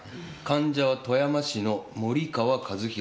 患者は富山市の森川和弘。